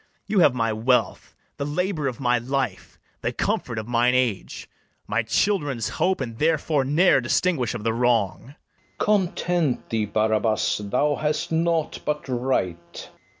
You have my wealth, the labour of my life, The comfort of mine age, my children's hope; And therefore ne'er distinguish of the wrong. FERNEZE. Content thee, Barabas; thou hast naught but right.